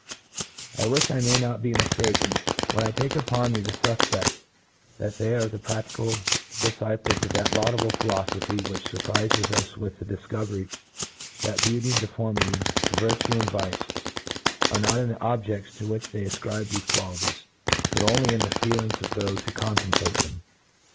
I wifh I may not be miftaken, when I take upon me to fufpeft they are the praftical difciples of that laudable philofophy which furprifes us with the difcovery, that beauty and deformity, virtue and vice, arc not in the objedts to which we afcribe thefc qualities, but only in the feelings of thofe who contemplate them.